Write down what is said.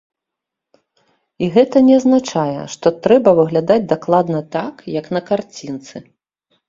І гэта не азначае, што трэба выглядаць дакладна так, як на карцінцы.